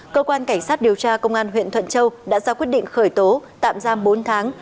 cơ quan cảnh sát điều tra công an huyện thuận châu đã ra quyết định khởi tố tạm giam bốn tháng